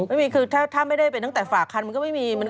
ไม่มีคือถ้าไม่ได้เป็นตั้งแต่ฝากคันมันก็ไม่มี